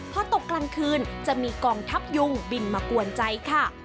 พอตกกลางคืนจะมีกองทัพยุงบินมากวนใจค่ะ